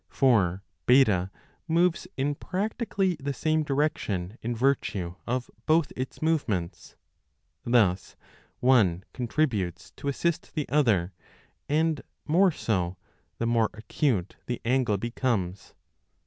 For B moves in practically the same direction in virtue of both its movements ; thus one contributes 20 to assist the other, and more so, the more acute the angle becomes.